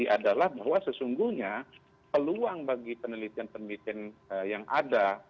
adalah bahwa sesungguhnya peluang bagi penelitian penelitian yang ada